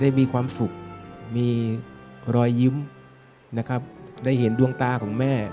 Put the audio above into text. ได้มีความสุขมีรอยยิ้มได้เห็นดวงตาของแม่